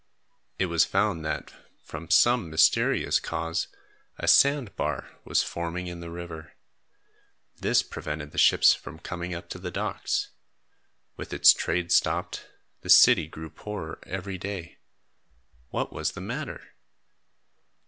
It was found that, from some mysterious cause, a sand bar was forming in the river. This prevented the ships from coming up to the docks. With its trade stopped, the city grew poorer every day. What was the matter?